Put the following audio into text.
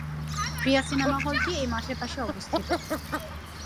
প্রিয়া cinema হলটি এই মাঠের পাশে অবস্থিত।